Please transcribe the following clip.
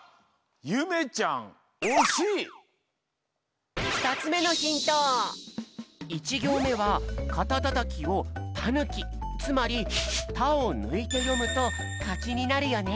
ゆめちゃんふたつめの１ぎょうめは「かたたたき」を「たぬき」つまり「た」をぬいてよむと「かき」になるよね。